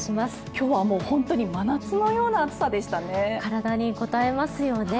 今日は本当に真夏のような暑さでしたね。